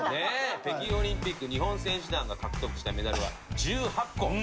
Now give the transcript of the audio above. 北京オリンピック日本選手団が獲得したメダルは１８個。